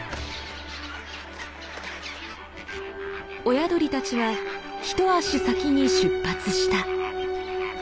親鳥たちは一足先に出発した。